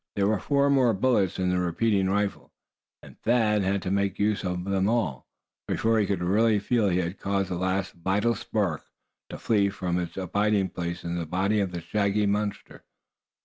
There were four more bullets in the repeating rifle, and Thad had to make use of them all before he could really feel he had caused the last vital spark to flee from its abiding place in the body of the shaggy monster.